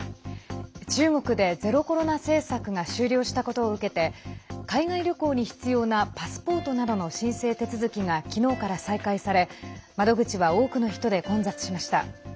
中国で、ゼロコロナ政策が終了したことを受けて海外旅行に必要なパスポートなどの申請手続きが昨日から再開され窓口は多くの人で混雑しました。